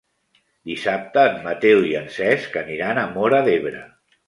Dissabte en Mateu i en Cesc aniran a Móra d'Ebre.